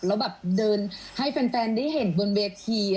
แล้วแบบเดินให้แฟนได้เห็นบนเวที